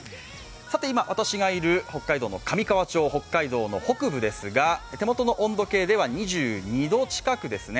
今、私がいる上川町、北海道の北部ですが手元の温度計では２２度近くですね。